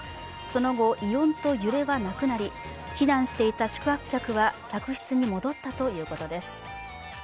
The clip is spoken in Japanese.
その後、異音と揺れはなくなり避難していた宿泊客は客室に戻ったということです。